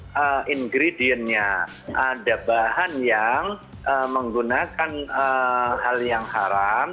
jadi bagaimana cara menggunakan bahan yang tidak terkait dengan hal yang haram